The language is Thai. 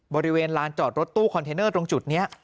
บริเวณลานจอดรถตู้คอนเทนเนอร์ตรงจุดนี้